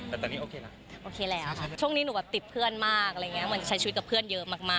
แต่ตอนนี้โอเคละโอเคแล้วช่องนี้หนูติดเพื่อนมากใช้ชีวิตกับเพื่อนเยอะมากค่ะ